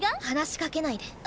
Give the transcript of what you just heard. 話しかけないで。